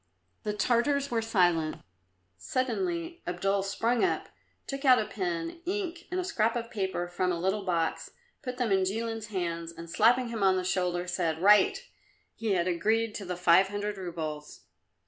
The Tartars were silent. Suddenly Abdul sprang up, took out a pen, ink and a scrap of paper from a little box, put them in Jilin's hands and slapping him on the shoulder, said, "Write." He had agreed to the five hundred roubles.